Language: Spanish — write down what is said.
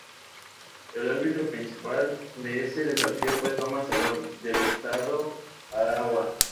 El árbitro principal de ese desafío fue Tomas Salón, del estado Aragua.